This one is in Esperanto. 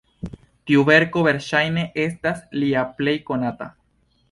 Tiu verko verŝajne estas lia plej konata.